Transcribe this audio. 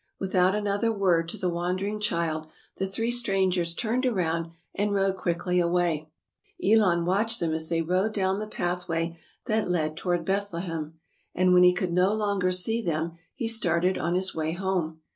Without another word to the wondering child, the three strangers turned around and rode quickly away. Elon watched them as they rode down the A STORY OP THE FIRST CHRISTMAS. 143 pathway that led toward Bethlehem, and when he could no longer see them he started on his way home.